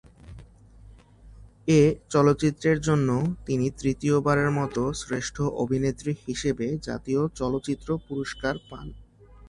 এ চলচ্চিত্রের জন্য তিনি তৃতীয় বারের মত শ্রেষ্ঠ অভিনেত্রী হিসেবে জাতীয় চলচ্চিত্র পুরস্কার পান।